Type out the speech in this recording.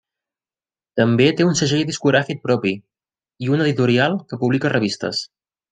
També té un segell discogràfic propi i una editorial que publica revistes.